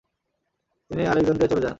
তিনি আলেক্সান্দ্রিয়া চলে যান।